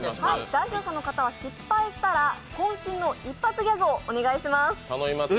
代表者の方は失敗したら、こん身の一発ギャグをお願いします。